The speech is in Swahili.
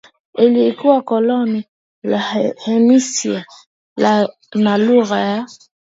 ilikuwa koloni la Hispania na lugha ya